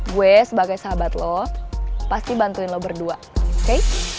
gue sebagai sahabat lo pasti bantuin lo berdua oke